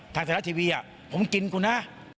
ทางทลาดทีวีผมกินคุณนะ